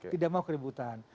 tidak mau keributan